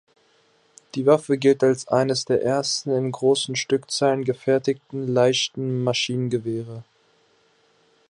Die Waffe gilt als eines der ersten in großen Stückzahlen gefertigten leichten Maschinengewehre.